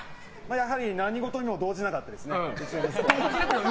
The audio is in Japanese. やはり何事にも動じなかったですね